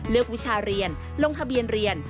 วิชาเรียนลงทะเบียนเรียน